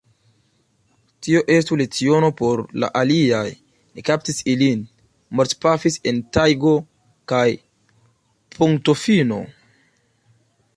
Tio estu leciono por la aliaj: ni kaptis ilin, mortpafis en tajgo, kaj punktofino!